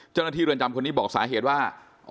เจ้าหน้าที่เรือนจำคนนี้บอกสาเหตุว่า